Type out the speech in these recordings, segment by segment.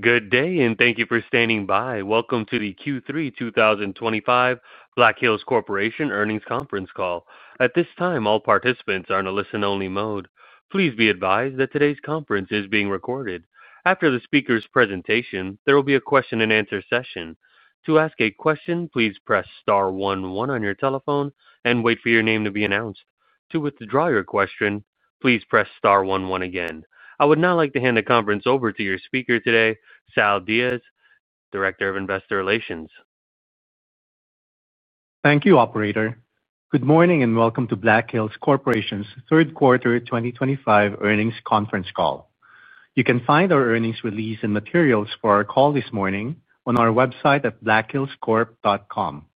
Good day, and thank you for standing by. Welcome to the Q3 2025 Black Hills Corporation earnings conference call. At this time, all participants are in a listen-only mode. Please be advised that today's conference is being recorded. After the speaker's presentation, there will be a question-and-answer session. To ask a question, please press star one one on your telephone and wait for your name to be announced. To withdraw your question, please press star one one again. I would now like to hand the conference over to your speaker today, Sal Diaz, Director of Investor Relations. Thank you, Operator. Good morning and welcome to Black Hills Corporation's third quarter 2025 earnings conference call. You can find our earnings release and materials for our call this morning on our website at blackhillscorp.com.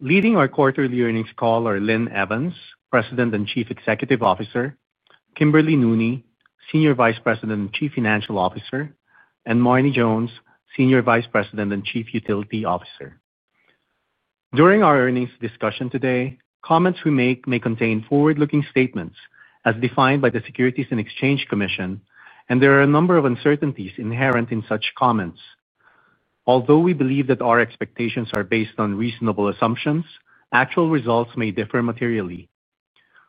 Leading our quarterly earnings call are Linn Evans, President and Chief Executive Officer; Kimberly Nooney, Senior Vice President and Chief Financial Officer; and Marne Jones, Senior Vice President and Chief Utility Officer. During our earnings discussion today, comments we make may contain forward-looking statements as defined by the Securities and Exchange Commission, and there are a number of uncertainties inherent in such comments. Although we believe that our expectations are based on reasonable assumptions, actual results may differ materially.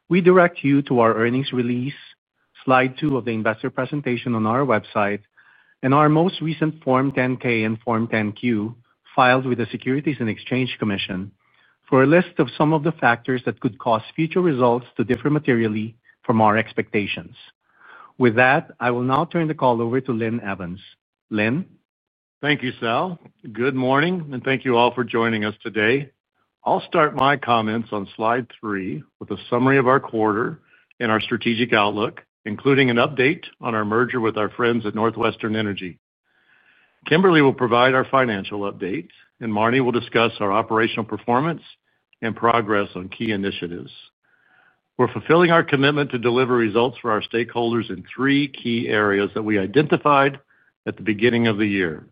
We direct you to our earnings release, slide two of the investor presentation on our website, and our most recent Form 10-K and Form 10-Q filed with the Securities and Exchange Commission for a list of some of the factors that could cause future results to differ materially from our expectations. With that, I will now turn the call over to Linn Evans. Linn. Thank you, Sal. Good morning, and thank you all for joining us today. I'll start my comments on slide three with a summary of our quarter and our strategic outlook, including an update on our merger with our friends at NorthWestern Energy. Kimberly will provide our financial update, and Marne will discuss our operational performance and progress on key initiatives. We're fulfilling our commitment to deliver results for our stakeholders in three key areas that we identified at the beginning of the year.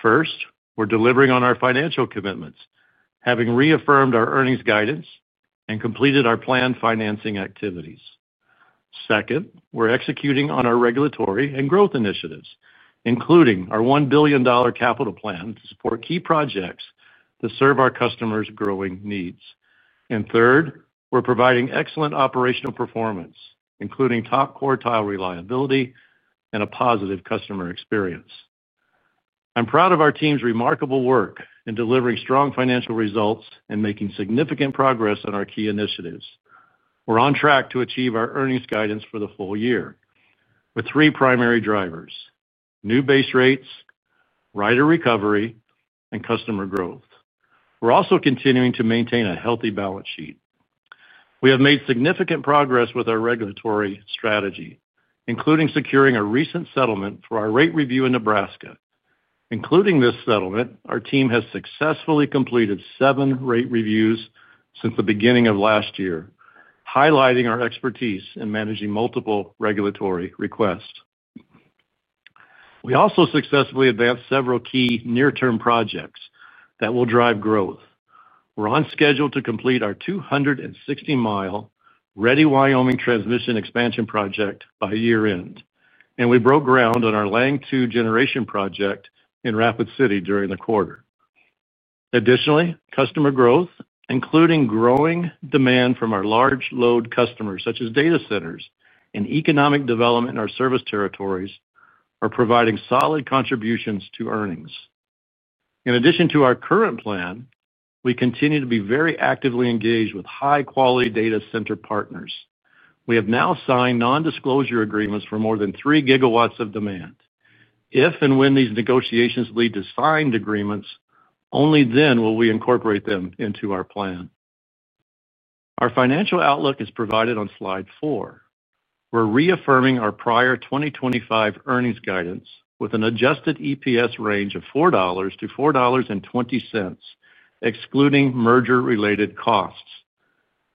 First, we're delivering on our financial commitments, having reaffirmed our earnings guidance and completed our planned financing activities. Second, we're executing on our regulatory and growth initiatives, including our $1 billion capital plan to support key projects that serve our customers' growing needs. Third, we're providing excellent operational performance, including top quartile reliability and a positive customer experience. I'm proud of our team's remarkable work in delivering strong financial results and making significant progress on our key initiatives. We're on track to achieve our earnings guidance for the full year with three primary drivers: new base rates, rider recovery, and customer growth. We're also continuing to maintain a healthy balance sheet. We have made significant progress with our regulatory strategy, including securing a recent settlement for our rate review in Nebraska. Including this settlement, our team has successfully completed seven rate reviews since the beginning of last year, highlighting our expertise in managing multiple regulatory requests. We also successfully advanced several key near-term projects that will drive growth. We're on schedule to complete our 26 mi Ready Wyoming transmission expansion project by year-end, and we broke ground on our Lange II generation project in Rapid City during the quarter. Additionally, customer growth, including growing demand from our large load customers such as data centers and economic development in our service territories, are providing solid contributions to earnings. In addition to our current plan, we continue to be very actively engaged with high-quality data center partners. We have now signed non-disclosure agreements for more than 3 GW of demand. If and when these negotiations lead to signed agreements, only then will we incorporate them into our plan. Our financial outlook is provided on slide four. We are reaffirming our prior 2025 earnings guidance with an adjusted EPS range of $4-$4.20, excluding merger-related costs.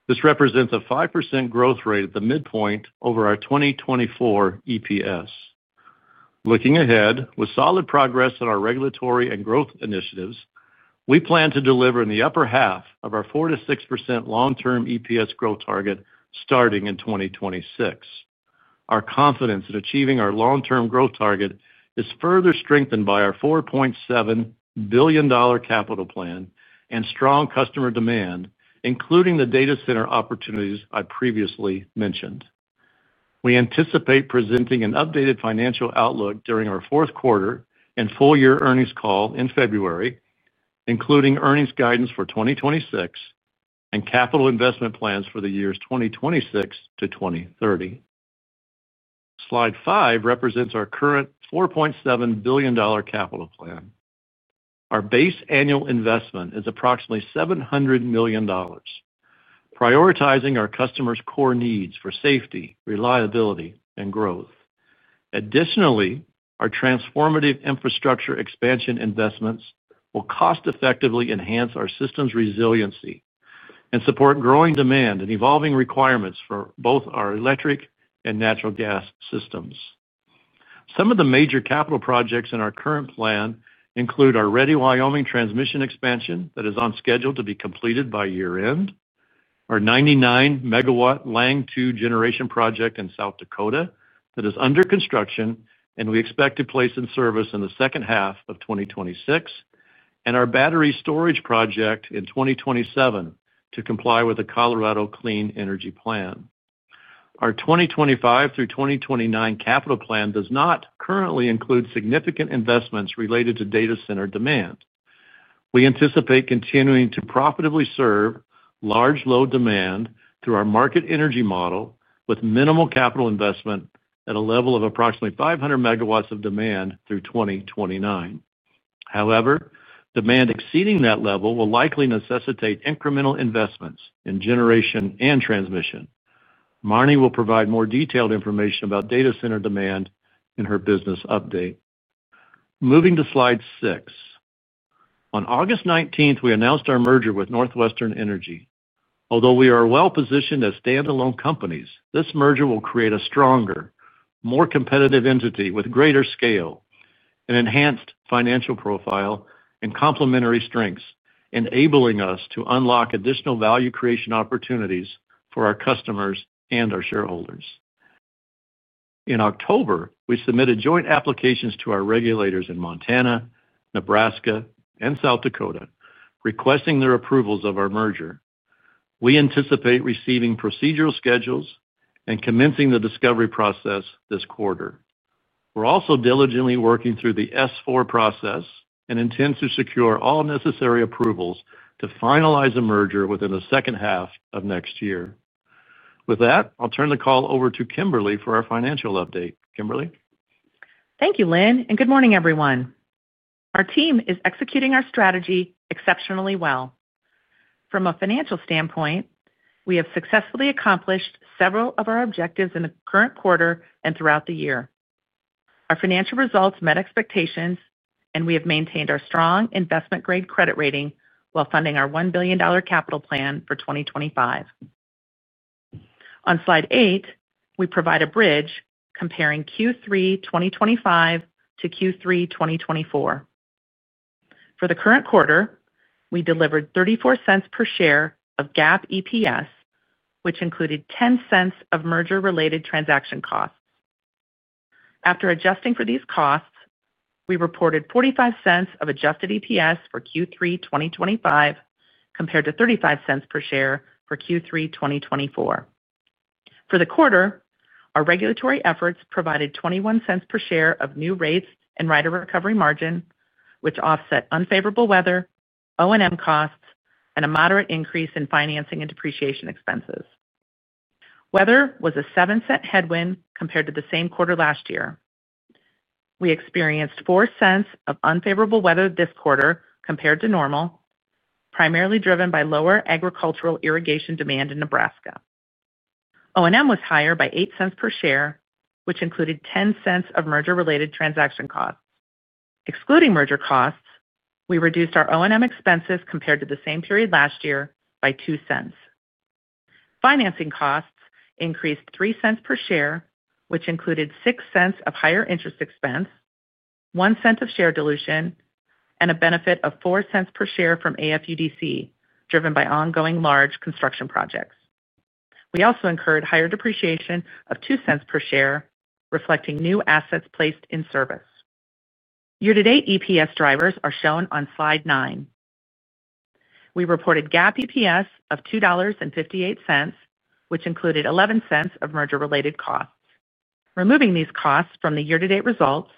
This represents a 5% growth rate at the midpoint over our 2024 EPS. Looking ahead, with solid progress in our regulatory and growth initiatives, we plan to deliver in the upper half of our 4%-6% long-term EPS growth target starting in 2026. Our confidence in achieving our long-term growth target is further strengthened by our $4.7 billion capital plan and strong customer demand, including the data center opportunities I previously mentioned. We anticipate presenting an updated financial outlook during our fourth quarter and full-year earnings call in February, including earnings guidance for 2026 and capital investment plans for the years 2026 to 2030. Slide five represents our current $4.7 billion capital plan. Our base annual investment is approximately $700 million, prioritizing our customers' core needs for safety, reliability, and growth. Additionally, our transformative infrastructure expansion investments will cost-effectively enhance our system's resiliency and support growing demand and evolving requirements for both our electric and natural gas systems. Some of the major capital projects in our current plan include our Ready Wyoming transmission expansion that is on schedule to be completed by year-end, ou 99 MW Lange II generation project in South Dakota that is under construction and we expect to place in service in the second half of 2026, and our battery storage project in 2027 to comply with the Colorado Clean Energy Plan. Our 2025 through 2029 capital plan does not currently include significant investments related to data center demand. We anticipate continuing to profitably serve large load demand through our market energy model with minimal capital investment at a level of approximately 500 MW of demand through 2029. However, demand exceeding that level will likely necessitate incremental investments in generation and transmission. Marne will provide more detailed information about data center demand in her business update. Moving to slide six. On August 19th, we announced our merger with NorthWestern Energy. Although we are well-positioned as standalone companies, this merger will create a stronger, more competitive entity with greater scale, an enhanced financial profile, and complementary strengths, enabling us to unlock additional value creation opportunities for our customers and our shareholders. In October, we submitted joint applications to our regulators in Montana, Nebraska, and South Dakota, requesting their approvals of our merger. We anticipate receiving procedural schedules and commencing the discovery process this quarter. We're also diligently working through the S4 process and intend to secure all necessary approvals to finalize a merger within the second half of next year. With that, I'll turn the call over to Kimberly for our financial update. Kimberly. Thank you, Linn, and good morning, everyone. Our team is executing our strategy exceptionally well. From a financial standpoint, we have successfully accomplished several of our objectives in the current quarter and throughout the year. Our financial results met expectations, and we have maintained our strong investment-grade credit rating while funding our $1 billion capital plan for 2025. On slide eight, we provide a bridge comparing Q3 2025 to Q3 2024. For the current quarter, we delivered $0.34 per share of GAAP EPS, which included $0.10 of merger-related transaction costs. After adjusting for these costs, we reported $0.45 of adjusted EPS for Q3 2025 compared to $0.35 per share for Q3 2024. For the quarter, our regulatory efforts provided $0.21 per share of new rates and rider recovery margin, which offset unfavorable weather, O&M costs, and a moderate increase in financing and depreciation expenses. Weather was a $0.07 headwind compared to the same quarter last year. We experienced $0.04 of unfavorable weather this quarter compared to normal, primarily driven by lower agricultural irrigation demand in Nebraska. O&M was higher by $0.08 per share, which included $0.10 of merger-related transaction costs. Excluding merger costs, we reduced our O&M expenses compared to the same period last year by $0.02. Financing costs increased $0.03 per share, which included $0.06 of higher interest expense, $0.01 of share dilution, and a benefit of $0.04 per share from AFUDC driven by ongoing large construction projects. We also incurred higher depreciation of $0.02 per share, reflecting new assets placed in service. Year-to-date EPS drivers are shown on slide nine. We reported GAAP EPS of $2.58, which included $0.11 of merger-related costs. Removing these costs from the year-to-date results,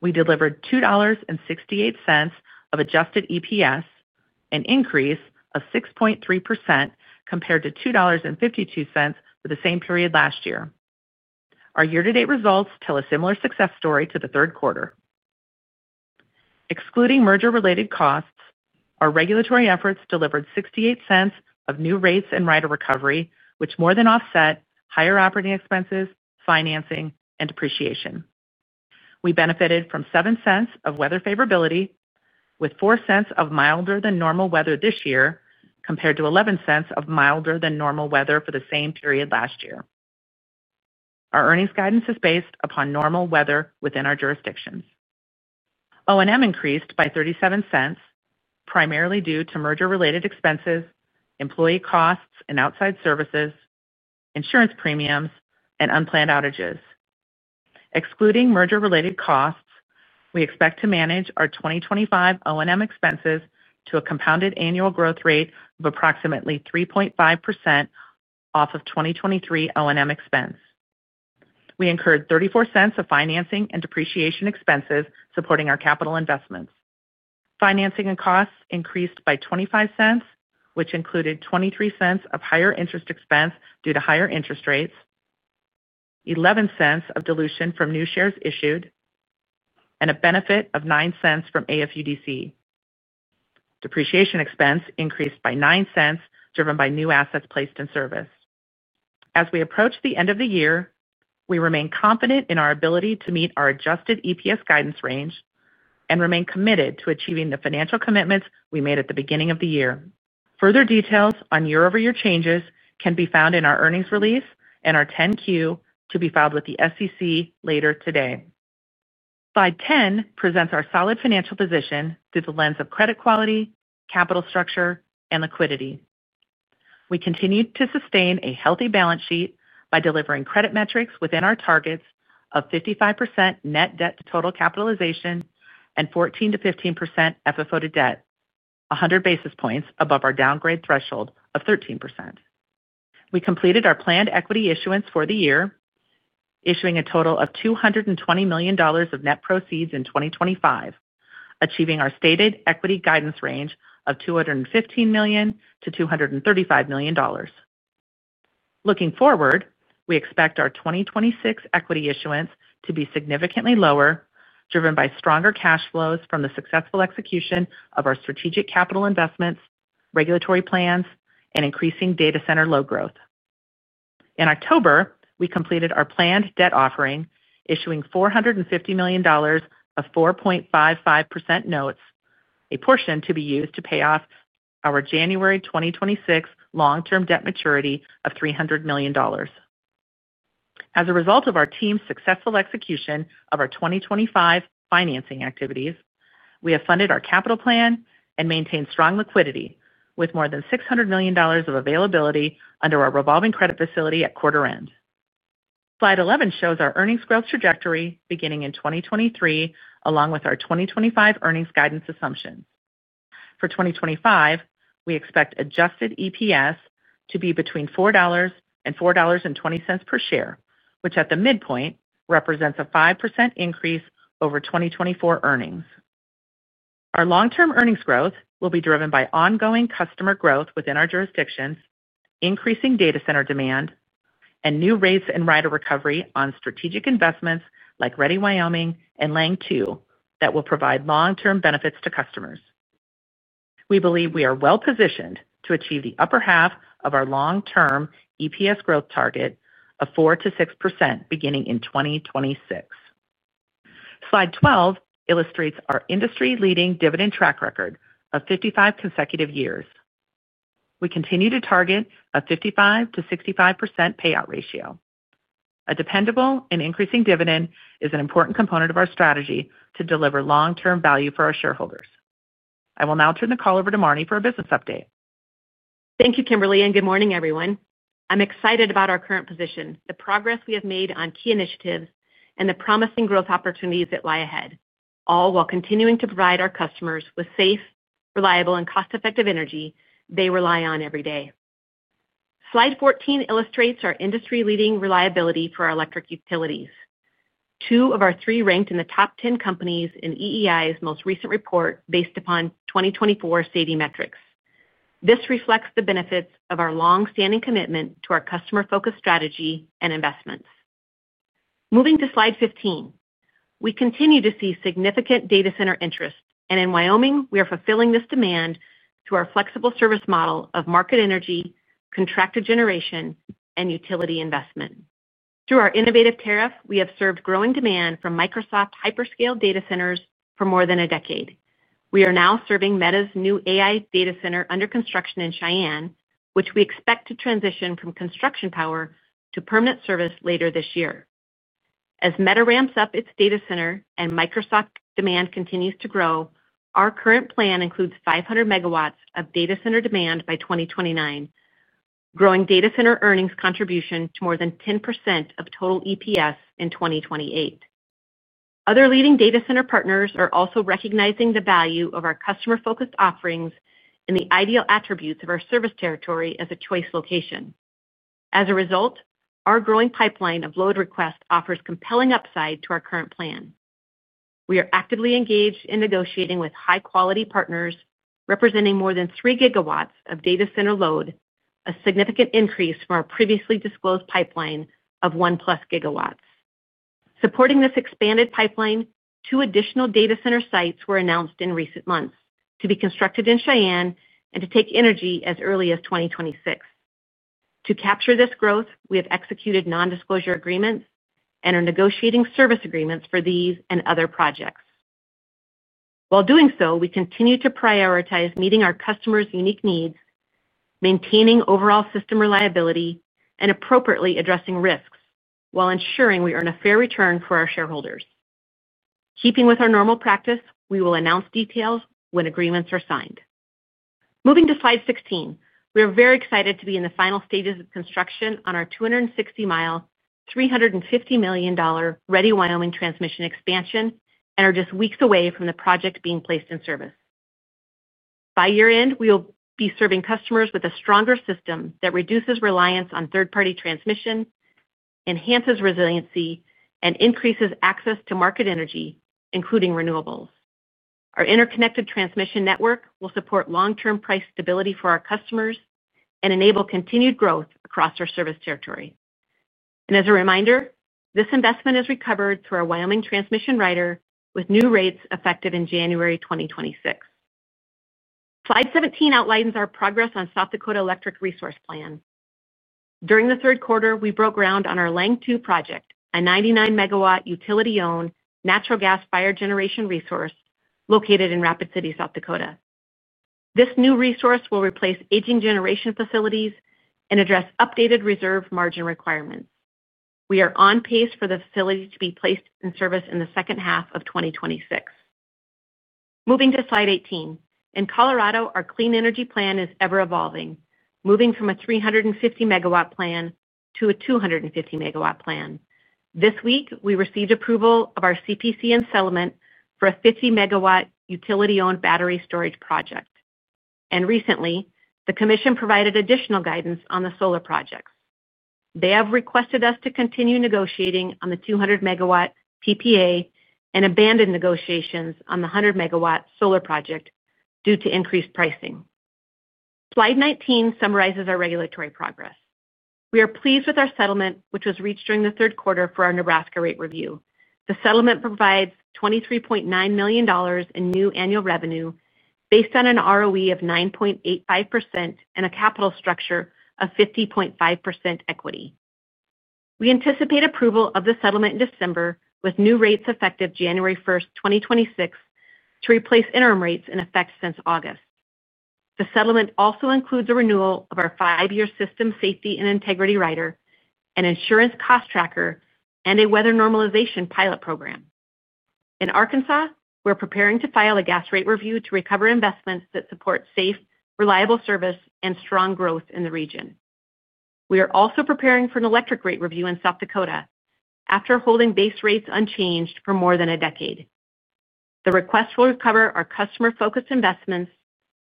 we delivered $2.68 of adjusted EPS, an increase of 6.3% compared to $2.52 for the same period last year. Our year-to-date results tell a similar success story to the third quarter. Excluding merger-related costs, our regulatory efforts delivered $0.68 of new rates and rider recovery, which more than offset higher operating expenses, financing, and depreciation. We benefited from $0.07 of weather favorability, with $0.04 of milder-than-normal weather this year compared to $0.11 of milder-than-normal weather for the same period last year. Our earnings guidance is based upon normal weather within our jurisdictions. O&M increased by $0.37, primarily due to merger-related expenses, employee costs and outside services, insurance premiums, and unplanned outages. Excluding merger-related costs, we expect to manage our 2025 O&M expenses to a compounded annual growth rate of approximately 3.5% off of 2023 O&M expense. We incurred $0.34 of financing and depreciation expenses supporting our capital investments. Financing and costs increased by $0.25, which included $0.23 of higher interest expense due to higher interest rates. $0.11 of dilution from new shares issued. A benefit of $0.09 from AFUDC. Depreciation expense increased by $0.09 driven by new assets placed in service. As we approach the end of the year, we remain confident in our ability to meet our adjusted EPS guidance range and remain committed to achieving the financial commitments we made at the beginning of the year. Further details on year-over-year changes can be found in our earnings release and our 10-Q to be filed with the SEC later today. Slide 10 presents our solid financial position through the lens of credit quality, capital structure, and liquidity. We continue to sustain a healthy balance sheet by delivering credit metrics within our targets of 55% net debt to total capitalization and 14%-15% FFO to debt, 100 basis points above our downgrade threshold of 13%. We completed our planned equity issuance for the year, issuing a total of $220 million of net proceeds in 2025, achieving our stated equity guidance range of $215 million-$235 million. Looking forward, we expect our 2026 equity issuance to be significantly lower, driven by stronger cash flows from the successful execution of our strategic capital investments, regulatory plans, and increasing data center load growth. In October, we completed our planned debt offering, issuing $450 million of 4.55% notes, a portion to be used to pay off our January 2026 long-term debt maturity of $300 million. As a result of our team's successful execution of our 2025 financing activities, we have funded our capital plan and maintained strong liquidity, with more than $600 million of availability under our revolving credit facility at quarter end. Slide 11 shows our earnings growth trajectory beginning in 2023, along with our 2025 earnings guidance assumptions. For 2025, we expect adjusted EPS to be between $4 and $4.20 per share, which at the midpoint represents a 5% increase over 2024 earnings. Our long-term earnings growth will be driven by ongoing customer growth within our jurisdictions, increasing data center demand, and new rates and rider recovery on strategic investments like Ready Wyoming and Lange II that will provide long-term benefits to customers. We believe we are well-positioned to achieve the upper half of our long-term EPS growth target of 4%-6% beginning in 2026. Slide 12 illustrates our industry-leading dividend track record of 55 consecutive years. We continue to target a 55%-65% payout ratio. A dependable and increasing dividend is an important component of our strategy to deliver long-term value for our shareholders. I will now turn the call over to Marne for a business update. Thank you, Kimberly, and good morning, everyone. I'm excited about our current position, the progress we have made on key initiatives, and the promising growth opportunities that lie ahead, all while continuing to provide our customers with safe, reliable, and cost-effective energy they rely on every day. Slide 14 illustrates our industry-leading reliability for our electric utilities. Two of our three ranked in the top 10 companies in EEI's most recent report based upon 2024 SAIDI metrics. This reflects the benefits of our long-standing commitment to our customer-focused strategy and investments. Moving to slide 15, we continue to see significant data center interest, and in Wyoming, we are fulfilling this demand through our flexible service model of market energy, contractor generation, and utility investment. Through our innovative tariff, we have served growing demand from Microsoft hyperscale data centers for more than a decade. We are now serving Meta's new AI data center under construction in Cheyenne, which we expect to transition from construction power to permanent service later this year. As Meta ramps up its data center and Microsoft demand continues to grow, our current plan includes 500 MW of data center demand by 2029. Growing data center earnings contribution to more than 10% of total EPS in 2028. Other leading data center partners are also recognizing the value of our customer-focused offerings and the ideal attributes of our service territory as a choice location. As a result, our growing pipeline of load requests offers compelling upside to our current plan. We are actively engaged in negotiating with high-quality partners representing more than 3 GW of data center load, a significant increase from our previously disclosed pipeline of 1 plus GW. Supporting this expanded pipeline, two additional data center sites were announced in recent months to be constructed in Cheyenne and to take energy as early as 2026. To capture this growth, we have executed non-disclosure agreements and are negotiating service agreements for these and other projects. While doing so, we continue to prioritize meeting our customers' unique needs, maintaining overall system reliability, and appropriately addressing risks while ensuring we earn a fair return for our shareholders. Keeping with our normal practice, we will announce details when agreements are signed. Moving to slide 16, we are very excited to be in the final stages of construction on our 260 mi, $350 million Ready Wyoming transmission expansion and are just weeks away from the project being placed in service. By year-end, we will be serving customers with a stronger system that reduces reliance on third-party transmission. Enhances resiliency, and increases access to market energy, including renewables. Our interconnected transmission network will support long-term price stability for our customers and enable continued growth across our service territory. This investment is recovered through our Wyoming transmission rider with new rates effective in January 2026. Slide 17 outlines our progress on South Dakota Electric Resource Plan. During the third quarter, we broke ground on our Lange II project, a 99 MW utility-owned natural gas fire generation resource located in Rapid City, South Dakota. This new resource will replace aging generation facilities and address updated reserve margin requirements. We are on pace for the facility to be placed in service in the second half of 2026. Moving to slide 18, in Colorado, our clean energy plan is ever-evolving, moving from a 350 MW plan to a 250 MW plan. This week, we received approval of our CPCM settlement for a 50 MW utility-owned battery storage project. Recently, the commission provided additional guidance on the solar projects. They have requested us to continue negotiating on the 200 MW PPA and abandoned negotiations on the 100 MW solar project due to increased pricing. Slide 19 summarizes our regulatory progress. We are pleased with our settlement, which was reached during the third quarter for our Nebraska rate review. The settlement provides $23.9 million in new annual revenue based on an ROE of 9.85% and a capital structure of 50.5% equity. We anticipate approval of the settlement in December with new rates effective January 1st, 2026, to replace interim rates in effect since August. The settlement also includes a renewal of our five-year system safety and integrity rider, an insurance cost tracker, and a weather normalization pilot program. In Arkansas, we're preparing to file a gas rate review to recover investments that support safe, reliable service and strong growth in the region. We are also preparing for an electric rate review in South Dakota after holding base rates unchanged for more than a decade. The request will recover our customer-focused investments,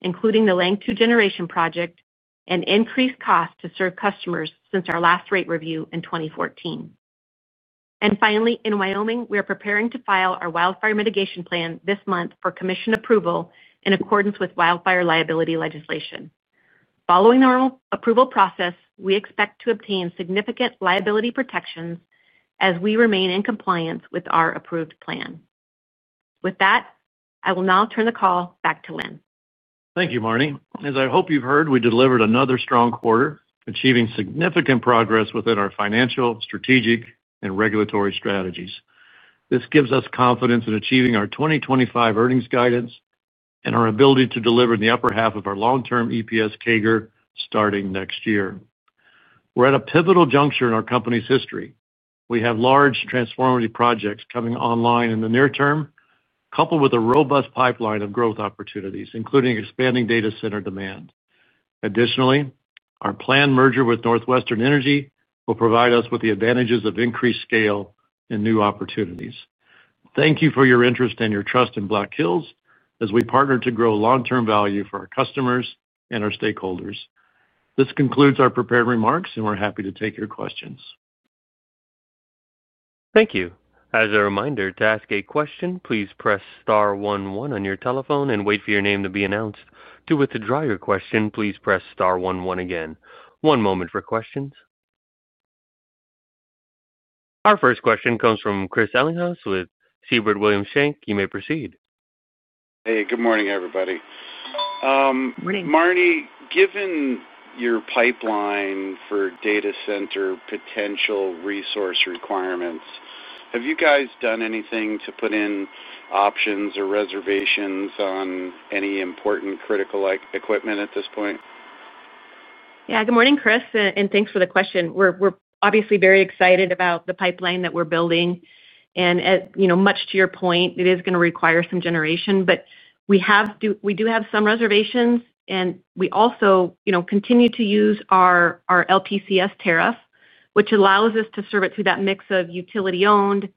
including the Lange II generation project and increased costs to serve customers since our last rate review in 2014. Finally, in Wyoming, we are preparing to file our wildfire mitigation plan this month for commission approval in accordance with wildfire liability legislation. Following the approval process, we expect to obtain significant liability protections as we remain in compliance with our approved plan. With that, I will now turn the call back to Linn. Thank you, Marne. As I hope you've heard, we delivered another strong quarter, achieving significant progress within our financial, strategic, and regulatory strategies. This gives us confidence in achieving our 2025 earnings guidance and our ability to deliver in the upper half of our long-term EPS CAGR starting next year. We're at a pivotal juncture in our company's history. We have large transformative projects coming online in the near term, coupled with a robust pipeline of growth opportunities, including expanding data center demand. Additionally, our planned merger with NorthWestern Energy will provide us with the advantages of increased scale and new opportunities. Thank you for your interest and your trust in Black Hills as we partner to grow long-term value for our customers and our stakeholders. This concludes our prepared remarks, and we're happy to take your questions. Thank you. As a reminder, to ask a question, please press star one one on your telephone and wait for your name to be announced. To withdraw your question, please press star one one again. One moment for questions. Our first question comes from Chris Ellinghaus with Siebert Williams Shank. You may proceed. Hey, good morning, everybody. Marne, given your pipeline for data center potential resource requirements, have you guys done anything to put in options or reservations on any important critical equipment at this point? Yeah, good morning, Chris, and thanks for the question. We're obviously very excited about the pipeline that we're building. Much to your point, it is going to require some generation, but we do have some reservations. We also continue to usxe our LPCS tariff, which allows us to serve it through that mix of utility-owned,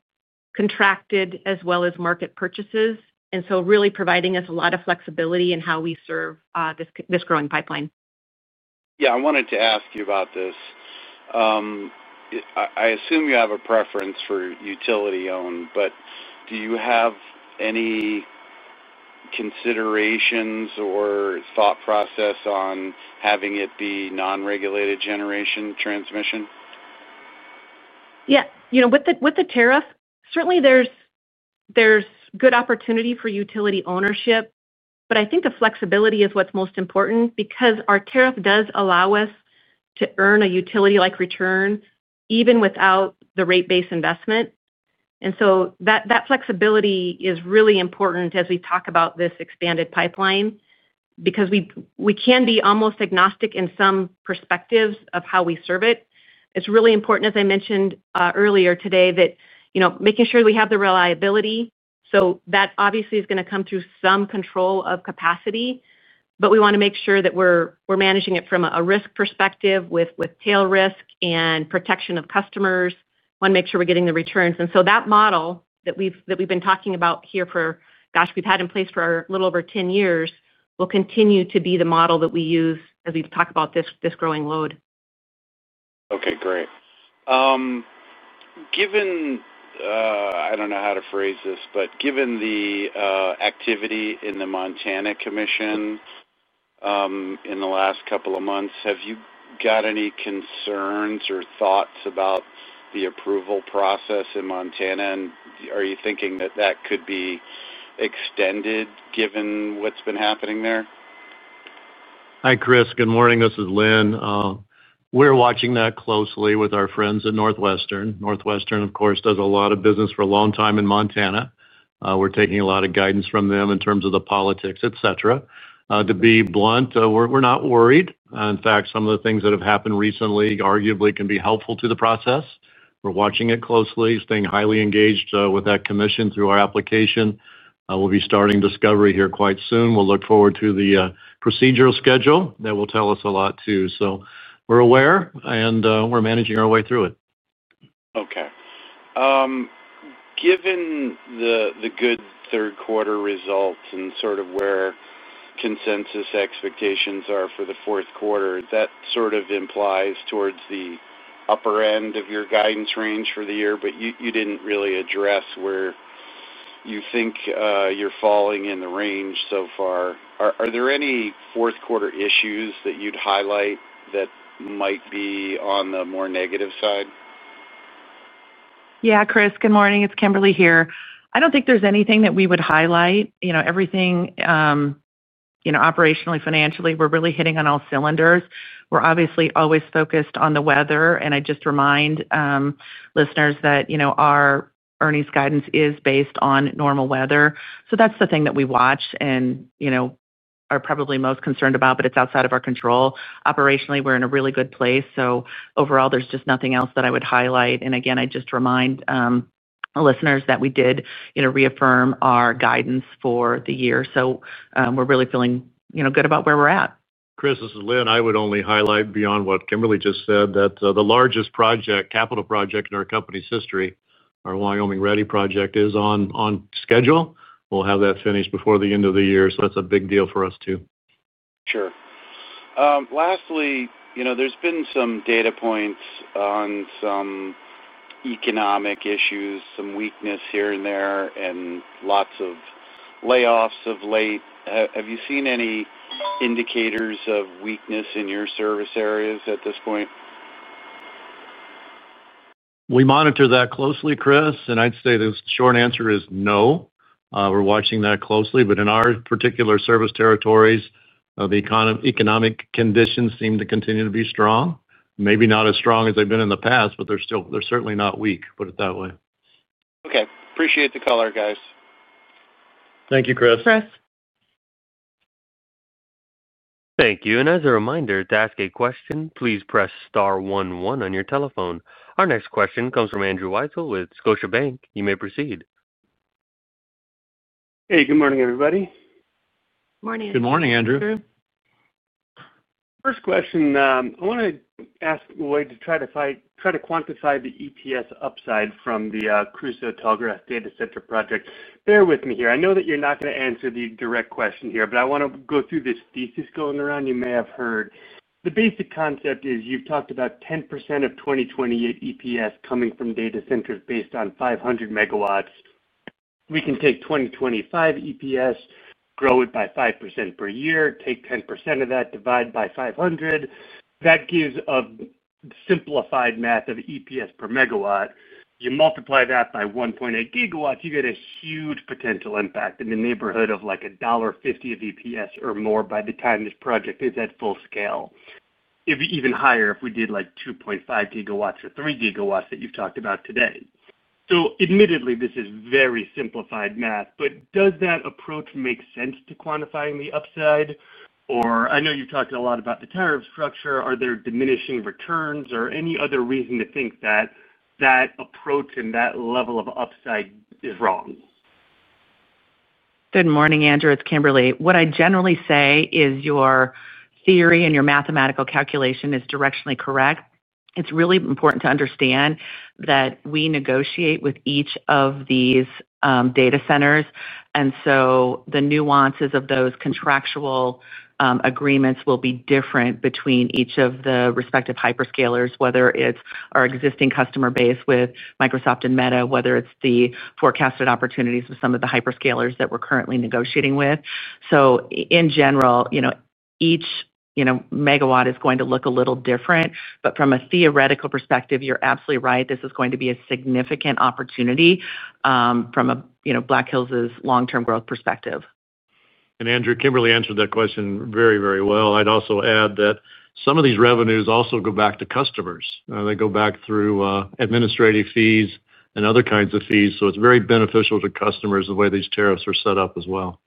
contracted, as well as market purchases. Really providing us a lot of flexibility in how we serve this growing pipeline. Yeah, I wanted to ask you about this. I assume you have a preference for utility-owned, but do you have any considerations or thought process on having it be non-regulated generation transmission? Yeah. With the tariff, certainly there's good opportunity for utility ownership, but I think the flexibility is what's most important because our tariff does allow us to earn a utility-like return even without the rate-based investment. That flexibility is really important as we talk about this expanded pipeline because we can be almost agnostic in some perspectives of how we serve it. It's really important, as I mentioned earlier today, that making sure we have the reliability. That obviously is going to come through some control of capacity, but we want to make sure that we're managing it from a risk perspective with tail risk and protection of customers. We want to make sure we're getting the returns. That model that we've been talking about here for, gosh, we've had in place for a little over 10 years will continue to be the model that we use as we talk about this growing load. Okay, great. I don't know how to phrase this, but given the activity in the Montana commission in the last couple of months, have you got any concerns or thoughts about the approval process in Montana? Are you thinking that that could be extended given what's been happening there? Hi, Chris. Good morning. This is Linn. We're watching that closely with our friends at NorthWestern. NorthWestern, of course, does a lot of business for a long time in Montana. We're taking a lot of guidance from them in terms of the politics, et cetera. To be blunt, we're not worried. In fact, some of the things that have happened recently arguably can be helpful to the process. We're watching it closely, staying highly engaged with that commission through our application. We'll be starting discovery here quite soon. We'll look forward to the procedural schedule that will tell us a lot too. We are aware, and we're managing our way through it. Okay. Given the good third-quarter results and sort of where consensus expectations are for the fourth quarter, that sort of implies towards the upper end of your guidance range for the year, but you did not really address where you think you are falling in the range so far. Are there any fourth-quarter issues that you would highlight that might be on the more negative side? Yeah, Chris, good morning. It's Kimberly here. I don't think there's anything that we would highlight. Everything operationally, financially, we're really hitting on all cylinders. We're obviously always focused on the weather. I just remind listeners that our earnings guidance is based on normal weather. That's the thing that we watch and are probably most concerned about, but it's outside of our control. Operationally, we're in a really good place. Overall, there's just nothing else that I would highlight. Again, I just remind listeners that we did reaffirm our guidance for the year. We're really feeling good about where we're at. Chris, this is Linn. I would only highlight beyond what Kimberly just said that the largest capital project in our company's history, our Ready Wyoming project, is on schedule. We'll have that finished before the end of the year. That's a big deal for us too. Sure. Lastly, there's been some data points on some economic issues, some weakness here and there, and lots of layoffs of late. Have you seen any indicators of weakness in your service areas at this point? We monitor that closely, Chris, and I'd say the short answer is no. We're watching that closely. In our particular service territories, the economic conditions seem to continue to be strong. Maybe not as strong as they've been in the past, but they're certainly not weak. Put it that way. Okay. Appreciate the call, guys. Thank you, Chris. Chris. Thank you. As a reminder, to ask a question, please press star 11 on your telephone. Our next question comes from Andrew Weisel with Scotiabank. You may proceed. Hey, good morning, everybody. Morning. Good morning, Andrew. Thank you. First question, I want to ask a way to try to quantify the EPS upside from the Crusoe, Tallgrass Data Center project. Bear with me here. I know that you're not going to answer the direct question here, but I want to go through this thesis going around. You may have heard. The basic concept is you've talked about 10% of 2028 EPS coming from data centers based on 500 MW. We can take 2025 EPS, grow it by 5% per year, take 10% of that, divide by 500. That gives a simplified math of EPS per megawatt. You multiply that by 1.8 GW, you get a huge potential impact in the neighborhood of like $1.50 of EPS or more by the time this project is at full scale. Even higher if we did like 2.5 GW or 3 GW that you've talked about today. Admittedly, this is very simplified math, but does that approach make sense to quantifying the upside? I know you've talked a lot about the tariff structure. Are there diminishing returns or any other reason to think that that approach and that level of upside is wrong? Good morning, Andrew. It's Kimberly. What I generally say is your theory and your mathematical calculation is directionally correct. It's really important to understand that we negotiate with each of these data centers, and so the nuances of those contractual agreements will be different between each of the respective hyperscalers, whether it's our existing customer base with Microsoft and Meta, whether it's the forecasted opportunities with some of the hyperscalers that we're currently negotiating with. In general, each megawatt is going to look a little different. From a theoretical perspective, you're absolutely right. This is going to be a significant opportunity from Black Hills' long-term growth perspective. Andrew, Kimberly answered that question very, very well. I'd also add that some of these revenues also go back to customers. They go back through administrative fees and other kinds of fees. It is very beneficial to customers the way these tariffs are set up as well.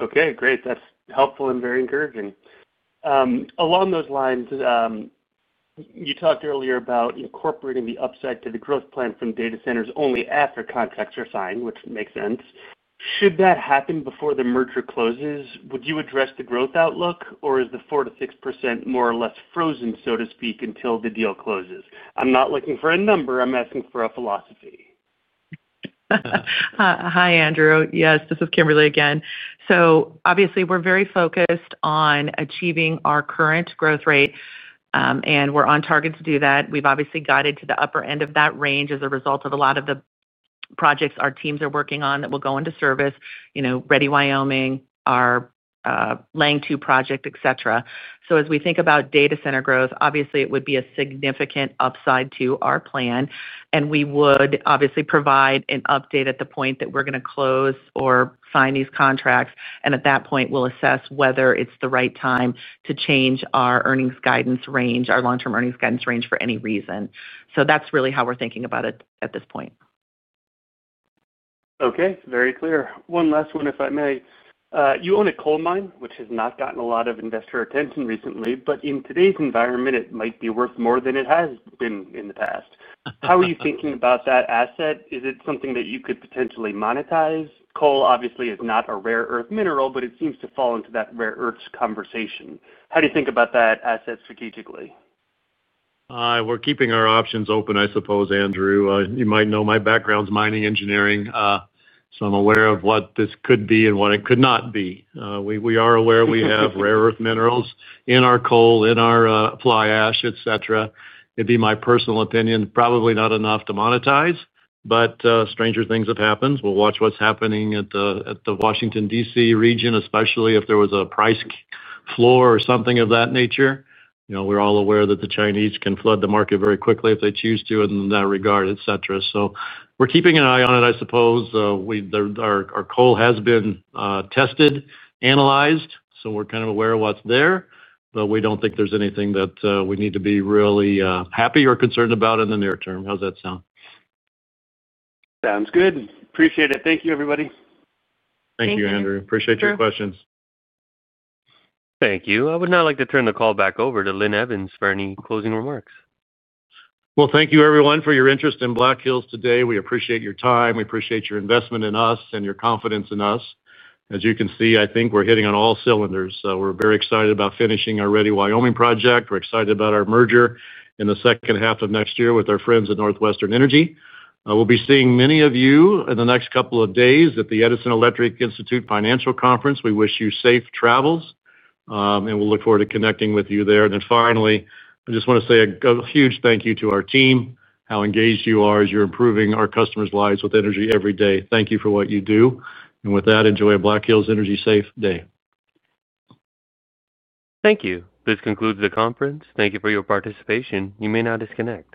Okay, great. That's helpful and very encouraging. Along those lines. You talked earlier about incorporating the upside to the growth plan from data centers only after contracts are signed, which makes sense. Should that happen before the merger closes, would you address the growth outlook, or is the 4%-6% more or less frozen, so to speak, until the deal closes? I'm not looking for a number. I'm asking for a philosophy. Hi, Andrew. Yes, this is Kimberly again. Obviously, we're very focused on achieving our current growth rate, and we're on target to do that. We've obviously guided to the upper end of that range as a result of a lot of the projects our teams are working on that will go into service, Ready Wyoming, our Lange II project, et cetera. As we think about data center growth, obviously, it would be a significant upside to our plan. We would obviously provide an update at the point that we're going to close or sign these contracts. At that point, we'll assess whether it's the right time to change our earnings guidance range, our long-term earnings guidance range for any reason. That's really how we're thinking about it at this point. Okay, very clear. One last one, if I may. You own a coal mine, which has not gotten a lot of investor attention recently, but in today's environment, it might be worth more than it has been in the past. How are you thinking about that asset? Is it something that you could potentially monetize? Coal, obviously, is not a rare earth mineral, but it seems to fall into that rare earths conversation. How do you think about that asset strategically? We're keeping our options open, I suppose, Andrew. You might know my background's mining engineering, so I'm aware of what this could be and what it could not be. We are aware we have rare earth minerals in our coal, in our fly ash, et cetera. It'd be my personal opinion, probably not enough to monetize, but stranger things have happened. We'll watch what's happening at the Washington, D.C. region, especially if there was a price floor or something of that nature. We're all aware that the Chinese can flood the market very quickly if they choose to in that regard, et cetera. So we're keeping an eye on it, I suppose. Our coal has been tested, analyzed, so we're kind of aware of what's there, but we don't think there's anything that we need to be really happy or concerned about in the near term. How's that sound? Sounds good. Appreciate it. Thank you, everybody. Thank you, Andrew. Appreciate your questions. Thank you. I would now like to turn the call back over to Linn Evans for any closing remarks. Thank you, everyone, for your interest in Black Hills today. We appreciate your time. We appreciate your investment in us and your confidence in us. As you can see, I think we're hitting on all cylinders. We are very excited about finishing our Ready Wyoming project. We are excited about our merger in the second half of next year with our friends at NorthWestern Energy. We will be seeing many of you in the next couple of days at the Edison Electric Institute Financial Conference. We wish you safe travels, and we look forward to connecting with you there. Finally, I just want to say a huge thank you to our team, how engaged you are as you're improving our customers' lives with energy every day. Thank you for what you do. With that, enjoy a Black Hills Energy Safe Day. Thank you. This concludes the conference. Thank you for your participation. You may now disconnect.